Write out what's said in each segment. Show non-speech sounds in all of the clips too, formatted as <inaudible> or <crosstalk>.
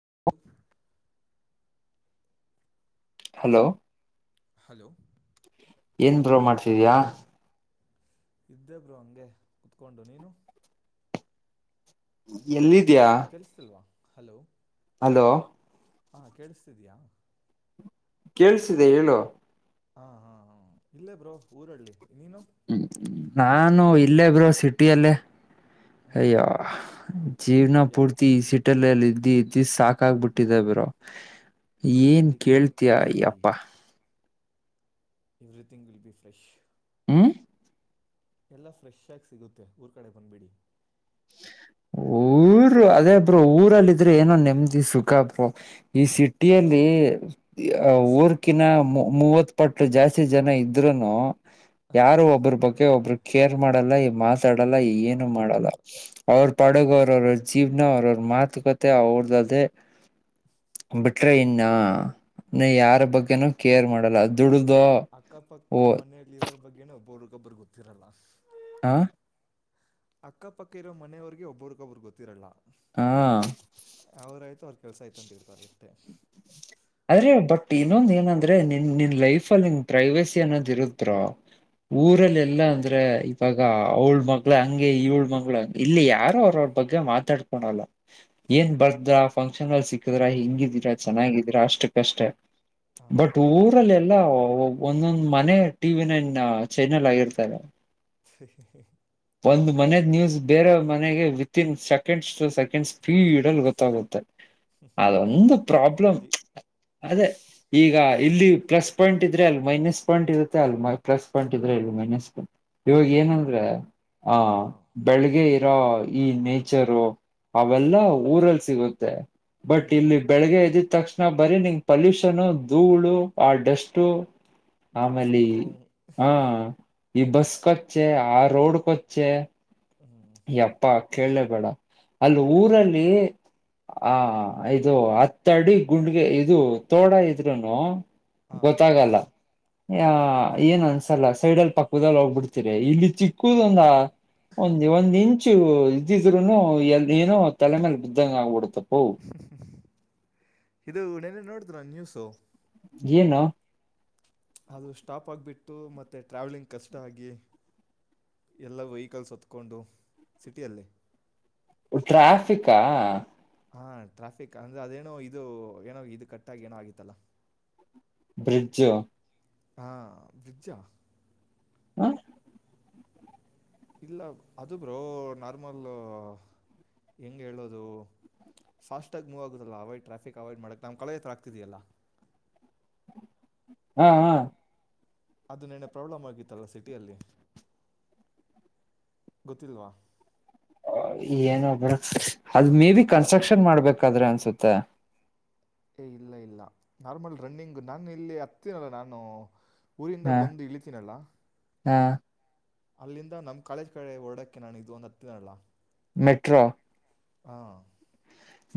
<inaudible> Hello hello ಏನ್ bro ಮಾಡ್ತಿದ್ಯ ಇದ್ದೇ ಬ್ರೋ ಹಂಗೆ ಕುೂತ್ಕೊಂಡು ನೀನು ಎಲ್ಲಿ ಕೆಲ್ಸತಿಲ್ವಾ ಹಲೋ ಹಲೋ ಹಾ ಕೇಳಿಸ್ತಿದಿಯ ಕೇಲಿಸ್ತಿದೆ ಹೇಳು ಹಾ ಹಾ ಹಾ ಇಲ್ಲೇ ಬ್ರೋ ಊರಲ್ಲಿ ನೀನು ಹ್ಮ ನಾನು ಇಲ್ಲೇ ಬ್ರೋ ಸಿಟಿಯಲ್ಲೇ ಹ್ಞೂ ಅಯ್ಯೋ ಜೀವನ ಯಾಕೆ ಪೂರ್ತಿ ಸಈ ಸಿಟಿಯಲ್ಲಿ ಇದ್ದು ಇದ್ದು ಸಾಕಾಗಬಿಟ್ಟಿದೆ ಬ್ರೋ ಏನ್ ಅದಕ್ಕೆ ಊರ ಕೇಳ್ತಯ ಕಡೆ ಬಂದುಬಿಡಿ ಯಪ್ಪಾ ಎವ್ರಿಥಿಂಗ್ ವಿಲ್ ಬಿ ಫ್ರೆಶ್ ಹ್ಮ್ ಎಲ್ಲಾ ಫ್ರೆಶ್ ಆಗಿ ಸಿಗುತ್ತೆ ಊರ್ ಕಡೆ ಬಂದ್ಬಿಡಿ ಊ ರು ಅದೇ ಬ್ರೋ ಊರಲ್ಲಿ ಇದ್ರೆ ಏನೋ ನೆಮ್ಮದಿ ಸುಖ ಬ್ರೋ ಈ ಸಿಟಿಯಲ್ಲಿ ಊರ್ಕಿನ ಮೂವತ್ ಪಟ್ಟ ಜಾಸ್ತಿ ಜನ ಇದ್ರೂನು ಯಾರು ಒಬ್ಬ್ರ ಬಗ್ಗೆ ಒಬ್ರು ಕೇರ್ ಮಾಡಲ್ಲ ಈ ಮಾತಾಡಲ್ಲ ಏನು ಮಾಡಲ್ಲ ಮಾತಾಡಲ್ಲ ಅವ್ರ ಪಡಗವ್ರ ಅವ್ರ್ರ ಜೀವನ ಅವ್ರ ಅವ್ರ ಮಾತುಕತೆ ಅವ್ರ್ದದೇ ಬಿಟ್ರೆ ಇನ್ನ ಇನ್ನ ಯಾರ ಬಗ್ಗೆನು ಓ ಅಕ್ಕಪಕ್ಕ ಮನೆಯಲ್ಲಿ ಇರೋರ ಬಗ್ಗೆನ ಒಬ್ಬ್ರಗೊಬ್ಬರಿಗೆ ಗೊತ್ತಿರಲ್ಲ ಆ ಅಕ್ಕಪಕ್ಕ ಇರೋ ಮನೆಯವ್ರಿಗೆ ಒಬ್ಬ್ರಗೊಬ್ಬ್ರಿಗೆ ಗೊತ್ತಿರಲ್ಲ ಹಾ ಅವ್ರ ಆಯ್ತು ಅವ್ರ ಕೆಲ್ಸ ಆಯ್ತು ಅಂತ ಇರ್ತಾರೆ ಅಷ್ಟೇ ಅದೇ ಬಟ್ ಇನ್ನೊಂದ ಏನಂದ್ರೆ ನಿನ್ ನಿನ್ ಲೈಫ ಅಲ್ಲಿ ನಿನ್ ಪ್ರೈವೇಸಿ ಅನ್ನೋದ್ ಇರುತ್ತೆ ಬ್ರೋ ಊರಲ್ಲೆಲ್ಲಾ ಅಂದ್ರೆ ಇವಾಗ ಅವಳ್ ಮಗಳು ಹಂಗೆ ಇವಳ ಮಗಳು ಹಂಗೆ ಇಲ್ಲಿ ಯಾರೋ ಅವರ ಬಗ್ಗೆ ಮಾತಾಡ್ಕಲ್ಲ ಏನ್ ಬರ್ದ್ರ ಫಂಕ್ಷನ್ ಅಲ್ಲಿ ಸಿಕ್ಕಿದ್ರ ಹೆಂಗಿ ರ ಹಾಂ ಚೆನ್ನಾಗಿದ್ದೀರಾ ಅಷ್ಟಕ್ಕಷ್ಟೇ ಹಾಂ ಬಟ್ ಹಾಂ ಊರಲ್ಲ ಎಲ್ಲಾ ಒಂದೊಂದ್ ಮನೆ ಟಿ ವಿ ನೈನ್ ಚಾನೆಲ್ ಆಗಿರ್ತಾರೆ ಹ ನ್ಯೂಸ್ ಬೇರೆೆಯ ಮನೆಗೆ ವಿತ್ ಇನ್ ಸೆಕಂಡ್ಸ್ ಟು ಸೆ ನ್ ಸ್ಪೀಡ್ ಅಲ್ಲಿ ಸೆಕೆಂಡ್ಸ್ ಗೊತ್ತಾಗುತ್ತೆ ಅದೊಂದು ಫೈ ಪ್ರಾಬ್ಲಮ್ ಜಿ ಅದೇ ಈಗ ಇಲ್ಲಿ ಪ್ಲಸ್ ಪಾಯಿಂಟ್ ಇದ್ರೆ ಅಲ್ಲಿ ಮೈನಸ್ ಪಾಯಿಂಟ್ ಇರುತ್ತೆ ಅಲ್ಲಿ ಪ್ಲಸ್ ಪಾಯಿಂಟ್ ಇದ್ರೆ ಇಲ್ಲಿ ಮಸ್ು ಇವಾಗ ಏನಂದ್ರ ಹ ಹಾಂ ಬೆಳಿಗ್ಗೆ ಇರೋ ಈ ನೇಚರು ಅವೆಲ್ಲ ಹೌದು ಊರಲ್ಲಿ ಸಿಗುತ್ತೆ ಬಟ್ ಹ್ಮ್ ಇಲ್ಲಿ ಬೆಳಗ್ಗೆ ಎದ್ದಿದ್ ತಕ್ಷಣ ಬರೀ ನಿಂಗ ಪಲ್ಯೂಷನ್ ಧೂಳು ಆ ಡಸ್ಟ್ ಆಮೇಲಿ ಟ್ರಾಫಿಕ್ಕು ಹಾ ಈ ಬಸ್ ಕೊಚ್ಚೆ ಆ ರೋಡ್ ಕೊಚ್ಚೆ ಹ್ಮ್ ಯಪ್ಪಾ ಕೇಳಲೇ ಬೇಡ ಅಲ್ಲಿ ಊರಲ್ಲಿ ಹ ಇದು ಅತ್ತಡಿ ಗುಂಡ್ಗೆ ಇದು ತೋಡ ಇದ್ರುನು ಹಾ ಗೊತ್ತಾಗಲ್ಲ ಆ ಏನ್ ಅನ್ಸಲ್ಲ ಸೈಡ್ಲಪಕ್ಕ ಕೂದಲ್ ಹೋಗ್ಬಿಡ್ತೀರಿ ಇಲ್ಲಿ ಚಿಕ್ಕುದ ಒಂದ ಒಂದು ಮುಂಚು ಇದ್ದಿದ್ರುನು ಎಲ್ಲಿ ಏನೋ ತಲೆ ಮೇಲೆ ಬಿದ್ದಂಗ ಆಗ್ಬಿಡುತ್ತತಿ ಇದು ನೆನ್ನೆ ನೋಡುದ್ರಾ ನ್ಯೂಸು ಏನು ಅದು ಸ್ಟಾಪ್ ಆಗಿಬಿಟ್ಟು ಮತ್ತು ಟ್ರಾವೆಲಿಂಗ್ ಕಷ್ಟ ಆಗಿ ಎಲ್ಲ ವೆಹಿಕಲ್ಸ್ ಹತ್ಕೊಂಡು ಸಿಟಿಯಲ್ಲಿ ಟ್ರಾಫಿಕಾ ಹಾ ಟ್ರಾಫಿಕ್ ಅಂದ್ರೆ ಅದೇನೋ ಇದು ಏನೋ ಇದು ಕಟ್ಟಾಗಿ ಏನೋ ಆಗಿತ್ತಲ್ಲ ಬ್ರಿಡ್ಜು ಹಾ ಬ್ರಿಜ್ಜಾ ಹ ಇಲ್ಲ ಅದು ಬ್ರೋ ನಾರ್ಮಲ್ ಹೆಂಗ ಹೇಳೋದು ಫಾಸ್ಟ್ ಟಾಗ್ ಮೂವ್ ಆಗುತ್ತಲ್ಲ ಅವ್ ಟ್ರಾಫಿಕ್ ಅವಾಯ್ಡ್ ಮಾಡಕ ನ ಕಳೆ ಹತ್ರ ಆಗ್ತಿದೆಯಲ್ಲ ಹಾ ಹಾ ಅದು ನಿನ್ನೆ ಪ್ರಾಬ್ಲಮ್ ಆಗಿತ್ತಲ್ಲ ಸಿಟಿಯಲ್ಲಿ ಗೊತ್ತಿಲ್ವಾ ಏನಬ ಅದು ಮೇ ಬಿ ಕನಕ್ಷನ್ ಮಾಡ್ಬೇಕಾದ್ರೆ ಅನ್ಸುತ್ತೆ ಏ ಇಲ್ಲ ಇಲ್ಲ ನಾರ್ಮಲ್ ರನ್ನಿಂಗ್ ನಾನು ಇಲ್ಲಿ ಹತ್ತಿನಲ್ಲ ನಾನು ಊರಿಂದ ಬಂದು ಇಳಿತೀನಲ್ಲ ಹಾ ಅಲ್ಲಿಂದ ನಮ್ ಕಾಲೇಜ್ ಕಡೆ ಓಡಕ್ಕೆೆ ನಾನು ಇದು ಒಂದ್ ಹತ್ತಿದನಲ್ಲ ಮೆಟ್ರೋ ಹಾ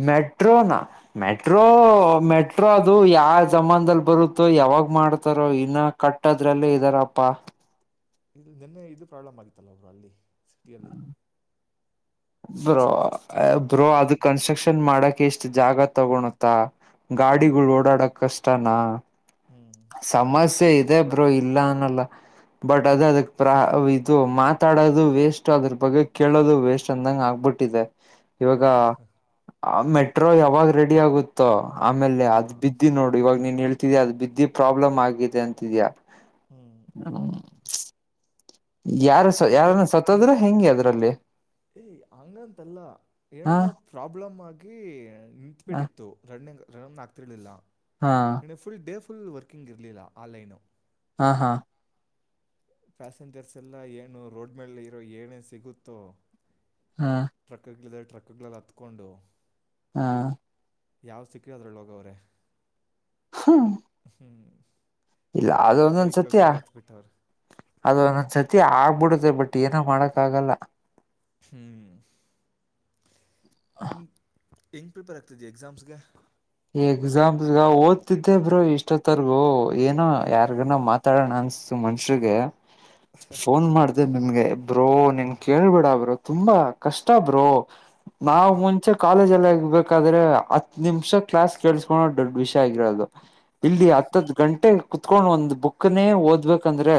ಮೆಟ್ರೋ ನ ಮೆಟ್ರೋ ಹಾಂ ಮೆಟ್ರೋ ಅದು ಯಾವ <unintelligible> ಬರುತ್ತೋ ಯಾವಾಗ್ ಮಾಡ್ತಾರೋ ಇನ್ನ ಕಟ್ಟದ್ರಲ್ಲ ಇದಾರಪ್ಪಾ ಇಲ್ಲಿ ನಿನ್ನೆ ಇದು ಪ್ರಾಬ್ಲಮ್ ಆಗಿತ್ತಲ್ಲ ಒಬ್ರು ಅಲ್ಲಿ ಸಿಟಿಯಲ್ಲಿ. ಬ್ರೋ ಬ್ರೋ ಅದು ಹ್ಞೂ ಕನ್ಸ್ಟ್ರಕ್ಷನ್ ಮಾಡಕ್ ಎಷ್ಟ್ ಜಾಗ ತಗೋಳತ್ತಾ. ಗಾಡಿಗಳು ಓಡಾಡಕ್ ಕಷ್ಟನಾ. ಹ್ಞೂ ಸಮಸ್ಯೆ ಇದೆ ಬ್ರೋ ಇಲ್ಲ ಅನ್ನಲ್ಲ. ಬಟ್ ಅದ ಅದಕ್ ಪ್ರ ಇದು ಮಾತಾಡೋದು ವೇಸ್ಟ್ ಅದ್ರ ಬಗ್ಗೆ ಕೇಳೋದು ವೇಸ್ಟ್ ಅಂದಂಗ ಆಗ್ಬಿಟ್ಟಿದೆ. ಇವಾಗ ಮೆಟ್ರೋ ಯಾವಾಗ ರೆಡಿ ಆಗುತ್ತೋ. ಆಮೇಲೆ ಅದ್ ಹಾಂ ಬಿದ್ದಿ ನೋಡು ಇವಾಗ ನೀನ್ ಹೇಳ್ತಿದಿ ಅದ ಬಿದ್ದಿ ಪ್ರಾಬ್ಲಮ್ ಆಗಿದೆ ಅಂತಿದ್ಯಾಾ. ಹ್ಞೂ ಹ್ಮ. ಯಾರು ಸ ಮತ್ತೆ ಯಾರನ್ನ ಸತ್ತದ್ರೂ ಹೆಂಗೆ ಅದ್ರಲ್ಲಿ. ಏಯ ಹಂಗಂತಲ್ಲ ಹ ಏನೋ ಪ್ರಾಬ್ಲಮ್ ಆಗಿ ಹಾ ನಿತ್ಬಿಟ್ಟಿತ್ತು ರಣ್ಣಿಂಗ್. ರಾಕ್ತಿರ್ಲಿಲ್ಲ ಹಾ ಇ ಫುಲ್ ಡೇ ಫುಲ್ ವರ್ಕಿಂಗ್ ಇರ್ಲಿಲ್ಲ ಆನ್ಲೈನು. ಹಾ ಹಾ. ಪ್ಯಾಸೆಂಜರ್ಸ್ ಎಲ್ಲ ಏನು ರೋಡ್ ಮೇಲೆ ಇರೋ ಏನೇನ್ ಸಿಗುತ್ತೋ. ಹಾ ಟ್ರಕ್ಗಳಗಳಿದ ಟ್ರಕ್ಗಳಲ್ಲಿ ಹತ್ಕೊಂಡು. ಹಾ. ಯಾವ್ ಸಿಕ್ಕರದ್ರ ಲೋಗವ್ರೆ. ಹಾ. ಹ್ಮ್ ಸಿಕ್ಕಿದ್ ಭೈ ಒಂದೊಂದ್ ಸತ್ಯ ಕೆಲ್ಸಲ್ಲ ಹತ್ ಬಿಿಟ್ಟವರು. ಅದು ನಂದ ಸರ್ತಿ ಆಗ್ಬಿಡುತ್ತೆ ಬಟ್ ಏನೋ ಮಾಡಕ್ಕಾಗಲ್ಲ. ಹ ಹೆಂಗ್ ಪ್ರಿಪೇರ್ ಆಗ್ತದೆ ಎಕ್ಸಾಮ್ಸ್ಗೆ ಎಕ್ಸಾಂಪಲ್ ಓದ್ತಿದ್ದೆ ಬ್ರೋ ಇಷ್ಟೊತ್ತಾರ್ಗು ಏನೋ ಹ್ಞೂ ಯಾರ್ಗನ ಮಾತಾಡೋಣ ಅನ್ಸ್ತು. ಮನ್ಷಿಗೆ ಫೋನ್ ಮಾಡ್ದ ನಿಮಗೆ ಇಬ್ಬರು ನೀನ್ ಕೇಳ್ಬೇಡಬ್ರು. ತುಂಬಾ ಕಷ್ಟಬ್ರು ನಾವವು ಮುಂಚೆ ಕಾಲೇಜ್ಲ್ಲ. ಬೇಕಾದ್ರೆ ಹತ್ತು ನಿಮಿಷ ಕ್ಲಾಸ್ ಕೇಳಳ್ಸ್ಕೊಂಡುಡ್ ಅಡ್ಮಿಷನ್. ಗರೋದು ಇಲ್ಲಿ ಹತ್ತತ್ತು ಗಂಟೆ. ಕತ್ಕೊಂಡ್ ಒಂದ್ ಬುಕ್ನೇ ಓದ್ಬೇಕಂದ್ರೆ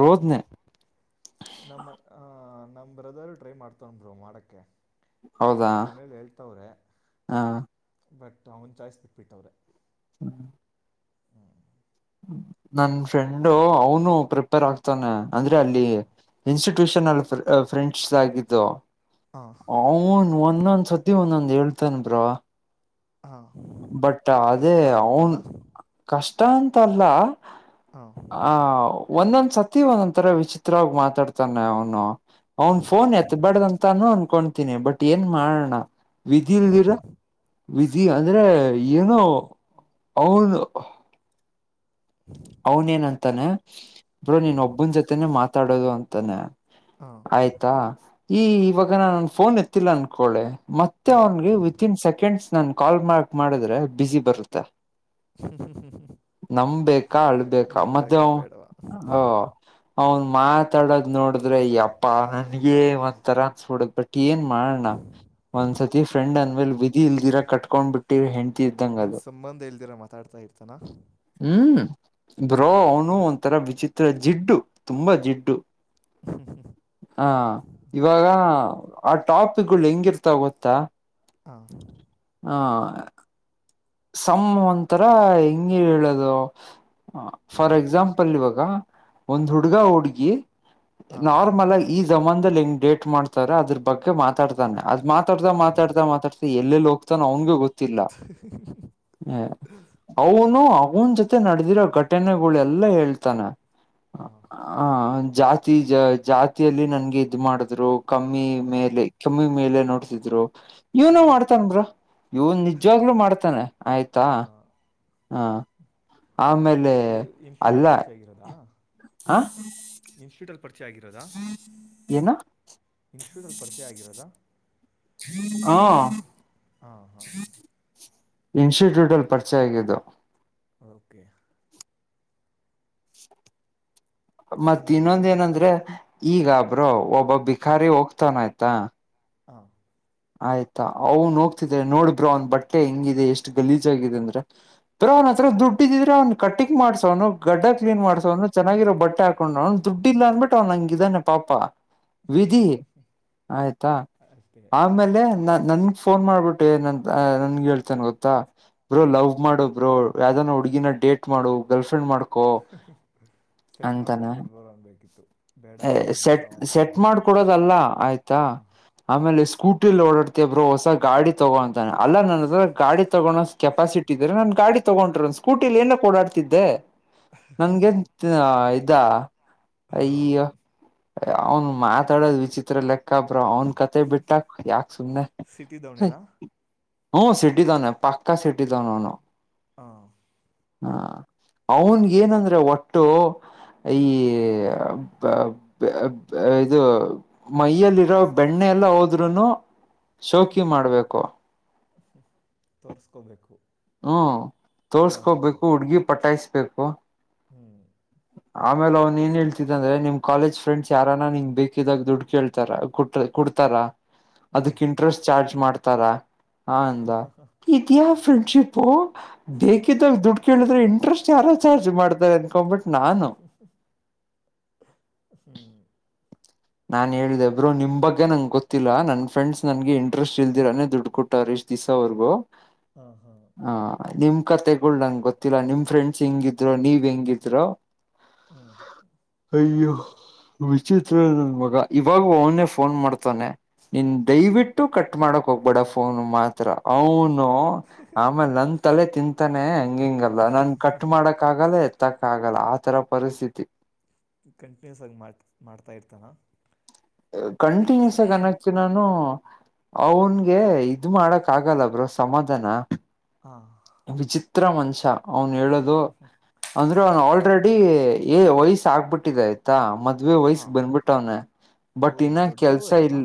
ರೋದನೆೇ. ನಮ್ಮ ಅ ನಮ್ ಬ್ರದರು ಟ್ರೈ ಮಾಡ್ತೋೊಂಡ ಬ್ರರು ಮಾಡಕ್ಕೆ. ಹೌದಾ ಹಾ. ಬಟ್ ಅವನು ಚಾಯ್ಸ್ ಬಿಟ್ಬಿಟ್ಟವ್ರೆ. ಹ್ಮ ಹ್ಮ. ನನ್ ಫ್ರೆಂಡು ಅವನು ಪ್ರಿಪೇರ್ ಆಗ್ತಾನೆ ಅಂದ್ರೆ ಅಲ್ಲಿ ಇನ್ಸ್ಟಿಟ್ಯೂ. ಟ್ಯೂಷನ್ಲ್ಲಿ ಫ್ರೆಂಡ್ಸ್ ಆಗಿದ್ದು ಹಾಂ ಅವ ಒ. ಇನ್ನೊಂದ್ ಸತಿ ಒಂದೊಂದ್ ಹೇಳ್ತೇನ್ ಬ್ರ. ಹಾಂ ಬಟ್ ಅದೇ ಕಷ್ಟ ಅವನ್ ಅಂತನಾ ಕಷ್ಟ ಅಂತಲ್ಲ. ಹಾಂ ಆ ಒಂದೊಂದ್ಸತಿ ಒಂದೊ್ ತರ ವಿಚಿತ್ರವಾಗಿ ಮಾತಾಡ್ತಾನೆ ಅವನು. ಅವನ್ ಫೋನ್ ಎತ್ಬಾರಡ್ದಂತಾನೂ ಅನ್ಕೊತೀನಿ ಬಟ್ ಏನ್ ಮಾಡೋಣ. ವಿಧಿಲ್ದಿರ ವಿಧಿ ಅಂತ. ಏನುೋ ಅವನು. ಅವನೇನಂತಾನೆ ಬ್ರೋ ನೀನ್ ಒಬ್ಬನ ಜೊತೆನೆ ಮಾತಾಡೋದು ಅಂತಾನೆ. ಹಾಂ ಆಯ್ತಾ ಈ ಇವಾಗ ನಾನ ಫೋನ್ ಎತ್ತಿಲ್ಲ ಅನ್ಕೋಳೆ. ಮತ್ತೆ ಹಾಂ ಅವನ್ಗೆ ವಿತಿನ್ ಸೆಕೆಂಡ್ಸ್ ನನ್ ಕಾಲ್ಕ್ ಮಾಡಿದ್ರೆ ಬಿಸಿಿ ಬರುತ್ತೆ. ಹ್ಮ ಹ್ಮ ಹ್ಮ್ ಹ್ಮ. ಕಾಳ ಬಾ ಮ್ಯಾ್ ಹ. ಅವನ್ ಮಾತಾಡದ್ ನೋಡಿದ್ರೆ ಅಪ್ಪಾ ನನ್ಗೆ ಒಂಥರ ಅನ್ಸ್ಬಿಡಕ್್ ಬಿಟ್ಟ. ಏನ್ ಮಾಡಣ ಒಂದ್ಸತಿ ಫ್ರೆಂಡ್ ಅಂದ ಮೇಲ್ ವಿಧಿ ಇಲ್ದಿರ ಕಟ್ಕೊಂಡ್ ಬಿಟ್ಟಿ ಹೆಂ. ಏನ್ ಸಂಬಂಧ ಇಲ್ದಿರ ಮಾತಾಡ್ತಾ ಇರ್ತಾನ ಹ್ಮ್ ಬ್ರೋ ಅವನು ಒಂಥರ ವಿಚಿತ್ರ ಜಿಡ್ಡು ತುಂಬಾ ಜಿಡ್ಡು. ಹಾ ಇವಾಗ ಆ ಟಾಪಿಕ್ಗಳು ಹೆಂಗಿರ್ತಾವ ಗೊತ್ತಾ. ಹ. ಹಾ ಸಂ ಒಂಂತರ ಹೆಂಗಗೆ ಹೇಳದು ಹ ಫಾರ್ ಎಕ್ಸಾಂಪಲ್ ಇವಾಗ ಒಂದ್ ಹುಡ್ಗ ಹುಡ್ಗಿ ಹಾಂ ನಾರ್ಮಲ್ ಆಗಿ ಈ ಜಮಾನದಲ್ಲಿ ಹೆಿಂಗ್ ಡೇಟ್ ಮಾಡ್ತಾರ ಅದ್ರ ಬಗ್ಗೆ ಮಾತಾಡ್ತಾನೆ ಅ ಮಾತಾಡ್ತಾ ಹಾಂ ಮಾತಾಡ್ತಾತಾತಾ ಎಲ್ಲೆಲ್ಲಿ ಹೋಗ್ತಾನೋ ಅವ್ನ್ಗೆ ಗೊ <inaudible> ಹ ಅವನು ಅವನ್ ಜೊತೆ ನಡೆದಿರೋ ಘಟನೆಗಳೆಲ್ಲಾ ಹೇಳ್ತಾನ ಹಾಂ ಆ ಜಾತಿ ಜ ಜಾತಿಯಲ್ಲಿ ನನ್ಗೆ ಇದ್ ಮಾಡಿದ್ರು ಕಮ್ಮಿ ಹ್ಞೂ ಮೇಲೆ ಕಮ್ಮಿ ಮೇಲೆ ನೋಡ್ತಿದ್ರು ಇವನ ಹ್ಞೂ ಮಾಡ್ತನ್ ಬ್ರ ಇವ್ನ್ ನಿಜವಾಗ್ಲುೂ ಮಾಡ್ತಾನೆ ಆಯ್ತಾ ಹಾಂ ಹಾ ಎ ಇನ್ಸ್ಟಿಟ್ಯೂಟ್ ಅಲ್ಲಿ ಪರಿಚಯ ಆಗಿರೋದಾ ಆ ಇನ್ಸ್ಟಿಟ್ಯೂಟ್ ಅಲ್ಲಿ ಪರಿಚ <unintelligible> ಹೆಚ್ಚ ಆಾಗಿಿರೋದಾ <unintelligible> ಏನ ಇನ್ಸ್ಟಿಟ್ಯೂಟಲ್ಲಿ ಪರಿಚಯ ಆಗಿರೋದಾ ಹಾ ಹಾ ಹಾ ಇನ್ಸ್ಟಿಟ್ಯೂಟ್ ಅಲ್ಲಿ ಪರಿಚೆ ಆಗಿದ್ದು ಓಕೆ ಮತ್ ಇನ್ನೇನು ಬ್ರೋ ಇನ್ನೊಂದ ಏನಂದ್ರೆ ಈಗಬ್ರೋ ಒಬ್ಬೊ ಬಿಕಾರಿ ಹೋಗ್ತಾನ ಆಯ್ತಾ ಹಾ ಆಯ್ತಾ ಅವನ್ ಹೋಗ್ತಿದ್ರೆ ನೋಡ್ಬ್ರಾ ಒಂದ್ ಬಟ್ಟೆ ಹೆಂಗಿದೆ ಎಷ್ಟ್ ಗಲೀಜ ಆಾಗಿದೆ ಅಂದ್ರೆ ಬ್ರಾ ಅವ ಹತ್ರ ದುಡ್ಡಿದ್ರೆ ಅವ್ ಕಟ್ಟಿಂಗ್ ಮಾಡಸ ಅವನು ಗಡ್ಡ ಕ್ಲೀನ್ ಮಾಡಸವ್ನು ಚೆನ್ನಾಗಿರೋ ಬಟ್ಟೆ ಹಾಕೊಂಡ್ಡ್ಡಿಲ್ಲ ಅಂದನ್ಬಿಟ್ಟು ಅವ್ ನಂಗ ಇದ್ದಾನೆ ಪಾಪ ಹ್ಞೂ ವಿಧಿ ಆಯ್ತಾ ಅಷ್ಟೇ ಆಮೇಲೆ ನ ನನ್ಗ್ ಫೋನ್ ಮಾಡ್ಬಿಟ್ಟೆ ನನ್ ನನ್ಗೆ ಹೇಳ್ತೇನೆ ಗೊತ್ತಾ ಬ್ರೋ ಹ್ಞೂ ಲವ್ ಮಾಡೋಬ್ರು ಯಾವ್ದೋ ಹುಗಿನ ಡೇಟ್ ಮಾಡು ಗರ್ಲ್ಫ್ರಂಡ್ ಮಾಡ ಸೆಟ್ ಮಾಡ ಕೊಡ್ಬೋರ ಅನ್ಬೇಕಿತ್ತು ಸೆಟ್ ಸೆಟ್ ಮಾಡಕೊಡೋದಲ್ಲ ಆಯ್ತಾ ಹಾಂ ಆಮೇಲೆ ಸ್ಕೂ ಓಡಾಡ್ತಬ್ಬರು ಹೊಸ ಗಾಡಿ ತಗೋಂತಾನ ಅಲ್ಲ ನನ್ದ್ರ ಗಾಡಿ ತಗೊ ಕೆಪಾಸಿಟಿ ಇದ್ರೆ ನನ್ ಗಾಡಿ ತಗೊಂಡ್ರರುನ್ ಸ್ಕೂಟಿಲಿ ಏನ ಓಡಾಡ್ತಿದ್ದೆ ನನ್ಗೆನ್ ಇದ ಹಾ ಈ ಅವ್ನ್ ಮಾತಾಡೋದು ವಿಚಿತ್ರ ಲೆಕ್ಕ ಬ್ರೋ ಅವ್ನು ಕತೆ ಬಿಟ್ಟಾ ಯಾಕ ಸುಮ್ನೆ ಸಿಟಿದವನೇನಾ ಹ್ಮ ಸಿಟಿ ತನ ಪಾಕಾ ಸಿಟಿ ತ ನ ನ ಹಾ ಹ ಅವನ್ಗ ಏನಂದ್ರೆ ಒಟ್ಟು ಈ ಬ ಇದು ಮೈಯಲ್ಲಿ ಇರೋ ಬೆಣ್ಣೆ ಎಲ್ಲ ಹೋದ್ರುನು ಸೌಕಿ ಮಾಡ್ಬೇಕು <inaudible> ತೋರಿಸ್ಕೋಬೇಕು ಹ್ಮ ಇಲ್ಲ ಅಂದ್ರೂ ತೋರ್ಸ್ಕೋಬೇಕು ಹುಡ್ಗಿ ಪಟ್ಟಾಯಸ್ಬೇಕು ಹ್ಞೂ ಆಮೇಲೆ ಅವ್ನ್ ಏನ್ ಹೇತಿದ ಅಂದ್ರೆ ನಿಮ್ ಕಾಲೇಜ್ ಫ್ರೆಂಡ್ಸ್ ಯಾರಾನ ನಿಂಗ್ ಬೇಕಿದಾಗ ದುಡ್ಡು ಕೇಳ್ತಾರ ಕೊಡ್ತಾರಾ ಹ್ಞೂ ಅದಕ್ ಇಂಟ್ರೆಸ್ಟ್ ಚಾರ್ಜ್ ಮಾಡ್ತಾರ ಹ ಅಂದ ಇದ್ಯಾ ಫ್ರೆಂಡ್ಶಿಪ್ ಅ ಬೇಕಿದ್ದಾಗ ದುಡ್ಡು ಕೇಳಿದ್ರೆ ಇಂಟ್ರೆಸ್ಟ್ ಯಾರೋ ಚಾರ್ಜ್ ಮಾಡ್ತಾರೆ ಅನ್ಕೊಂಬಿಟ್ ನಾನು ಹ್ಮ <inaudible> ನಾನ್ ಹೇಳ್ದಬ್ರು ನಿಮ್ಗ್ಗೆ ನಂಗೆ ಗೊತ್ತಿಲ್ಲಾ ನನ್ ಫ್ರೆಂಡ್ಸ್ ನನ್ಗೆ ಇಂಟ್ರೆಸ್ಟ್ ಇಲ್ದಿರಾನ ದುಡು ಕೊಟ್ಟವ್ರ ಸವರೆಗೂ ಹಾಂ ಹಾಂ ನಿ ಖ ತೆಗಳ್ ನಂಗಗೆ ಗೊತ್ತಿಲ್ಲ ನಿಮ್ ಫ್ರೆಂಡ್ಸ್ ಹೆಂಗಿದ್ರು ನೀವ್ ಹೆಂಗಿದ್ರೋ ಹ್ಞೂ ಅಯೋ ವಿಚಿತ್ರ ಇವಾಗ ಇವಾಗ ಅವನೇ ಫೋನ್ ಮಾಡ್ತಾನೆ ನೀನ್ ದಯವಿಟ್ಟು ಕಟ್ ಮಾಡಕ್ ಹೋಗ್ಬೇಡ ಫೋನ್ ಮಾತ್ರ ಅವನು ಆಮೇಲೆ ನನ್ ತಲೆ ತಿಂತಾನೆ ಹಂಗಿ ಹಂಗಲ್ಲ ನನ್ ಕಟ್ ಮಾಡಕ್ ಆಗಲ್ಲೇ ತ್ತಕ್ಕ ಆಗಲ್ಲ ಆ ತರ ಪರಿಸ್ಥಿತಿ ಕಂಟಿನ್ಯೂಸ್ ಆಗಿ ಮಾಡ್ ಮಾಡ್ತಾ ಇರ್ತಾನಾ ಕಂಟಿನ್ಯೂಸ್ ಆಗಿ ಅನಕ್ ನಾನು ಅವನ್ಗೆ ಇದ ಮಾಡಕ್ ಆಗಲ್ಲ ಬ್ರೋ ಸಮಾಧಾನ ಹಾಂ ವಿಚಿತ್ರ ಮಂಷ ಅವನು ಹೇಳದು ಅಂದ್ರೆ ಅವ ಆಲ್ರೆಡಿ ಏ ವಯಸ್ ಆಗ್ಬಿಟ್ಟಿದ ಆಯ್ತಾ ಮತ್ತೆ ಮದ ವಯಸ್ ಹಾಂ ಬಂದ್ಬಿಟ್ಟ ಅವ್ನ ಓ ಬಟ್ ಇನ್ನ ಕೆಲ್ಸ ದೊಡ್ಡವರಾ ಇಲ್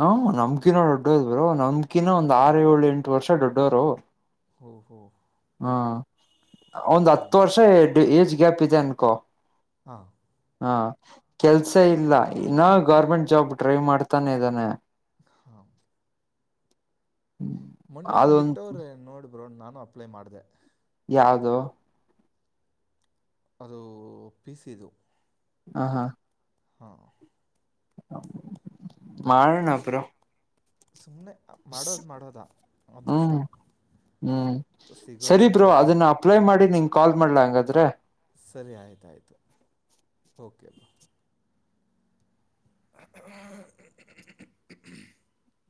ಹ ನಮ ನಮಕಿನೋ ದೊಡ್ಡೋದ್ರು ನಮ್ಕಿನ ಒಂದ ಆರು ಏಳು ಎಂಟು ವರ್ಷ ದೊಡ್ಡೋರು ಹಹೋ ಹಾ ಒಂದ್ ಹತ್ತು ವರ್ಷ ಎ ಏಜ್ ಗ್ಯಾಪ್ ಇದೆ ಅನ್ಕೋ ಹಾ ಹಾ ಕೆಲ್ಸ ಇಲ್ಲ ಇನ್ನ ಗೌರ್ಮೆಂಟ್ ಜಾಬ್ ಟ್ರೈ ಮಾಡ್ತಾನೆ ಇದ್ದಾನೆ ಹಾ ಮೊನ್ನೆ ಒಂದ್ ಅದೊಂದ ಬಿಟ್ಟವ್ರ ನೋಡ್ಬ್ರೋ ನಾನು ಅಪ್ಲೈ ಮಾಡ್ದ ಯಾವುದು ಅದು ಪಿಸ ಇದು ಹ ಹಾ <inaudible> ಮಾಡೋಣ ಬ್ರೋ ಸುಮ್ನೆ ಮಾಡೋದ ಮಾಡೋದ ಅದೃಷ್ಟ ಹ್ಮ್ ಹ್ಮ್ ಸಿಗೋದು ಸರಿ ಬ್ರೋ ಬಿಡೋದು ಅದನ್ನ ದೇವ್ರು ಅಪ್ಲೈ ಮಾಡಿ ನಿಂಗ ಕಾಲ್ ಮಾಡ್ಲಾ ಹಂಗಾದ್ರೆ ಸರಿ ಆಯ್ತು ಅಯ್ತು ಓಕೆ ಬ <inaudible>